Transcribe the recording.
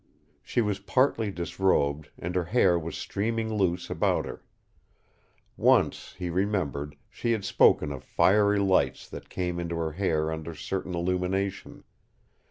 She was partly disrobed, and her hair was streaming loose about her. Once, he remembered, she had spoken of fiery lights that came into her hair under certain illumination.